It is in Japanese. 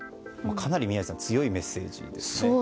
かなり強いメッセージですね。